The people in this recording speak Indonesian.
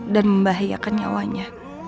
dan membahayakan nyawanya